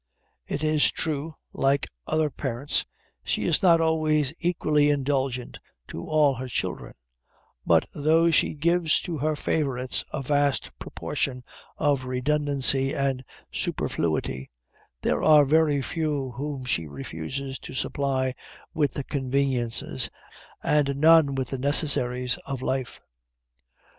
It is true, like other parents, she is not always equally indulgent to all her children, but, though she gives to her favorites a vast proportion of redundancy and superfluity, there are very few whom she refuses to supply with the conveniences, and none with the necessaries, of life.